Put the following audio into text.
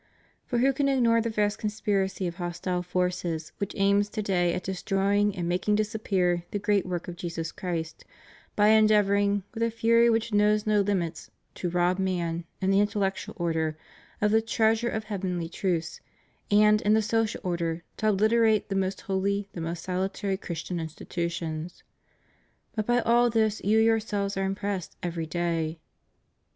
For who can ignore the vast conspiracy of hostile forces which aims to day at destroying and making disappear the great work of Jesus Christ, by endeavoring, with a fury which knows no hmits, to rob man, in the intellectual order, of the treasure of heavenly truths, and, in the social order, to obhterate the most holy, the most salutary Christian institutions. But by all this you yourselves are impressed every day.